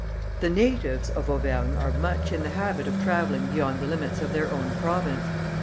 The natives of Auvergne are much in the habit of travelling beyond the limits of their own province.